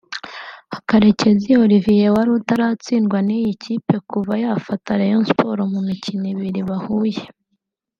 Karekezi Olivier wari utaratsindwa n’iyi kipe kuva yafata Rayon Sports mu mikino ibiri bahuye